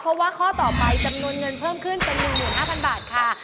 เพราะว่าข้อต่อไปจำนวนเงินเพิ่มขึ้นเป็น๑๕๐๐บาทค่ะ